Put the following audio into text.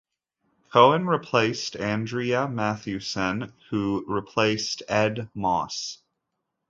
Cohen replaced Andrea Mathewson, who replaced Ed Moss.